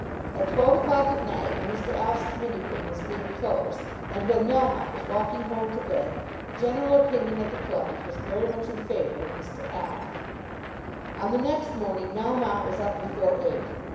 At twelve o'clock at night, when Mr. Alf's committee room was being closed, and when Melmotte was walking home to bed, the general opinion at the clubs was very much in favour of Mr. Alf. On the next morning Melmotte was up before eight.